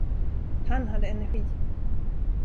Han hade energi.